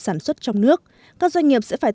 sản xuất trong nước các doanh nghiệp sẽ phải